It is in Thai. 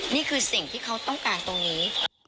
นี่คือสิ่งที่เขาต้องการตรงนี้